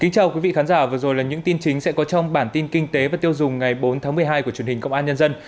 chào mừng quý vị đến với bản tin kinh tế và tiêu dùng ngày bốn tháng một mươi hai của truyền hình công an nhân dân